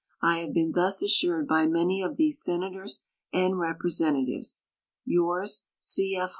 I have been thus assured by many of these Senators and Representatives. Yours, C. F.